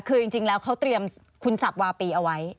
คือจริงแล้วเขาเตรียมคุณสับวาปีเอาไว้